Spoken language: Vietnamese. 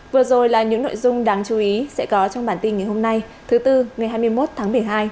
vừa rồi là những nội dung đáng chú ý sẽ có trong bản tin ngày hôm nay thứ tư ngày hai mươi một tháng một mươi hai